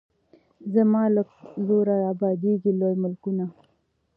زما له زوره ابادیږي لوی ملکونه